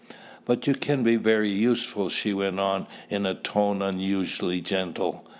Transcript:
"But you can be very useful," she went on, in a tone unusually gentle.